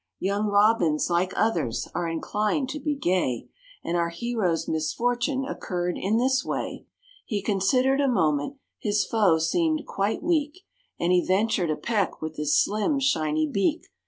Young Robins, like "others," are inclined to be "gay," And our hero's misfortune occurred in this way: He considered a moment; his foe seemed quite weak, And he ventured a peck with his slim, shiny beak.